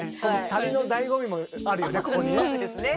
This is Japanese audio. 旅の醍醐味もあるよね